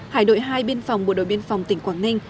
hải đội hai biên phòng bộ đội biên phòng tỉnh quảng ninh